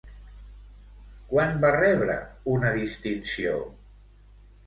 Quan va rebre una distinció?